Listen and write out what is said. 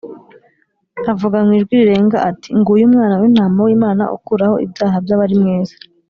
, avuga mw’ijwi rirenga ati, ‘‘Nguyu Umwana w’intama w’Imana ukuraho ibyaha by’abari mu isi.